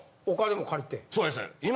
お金も借りて。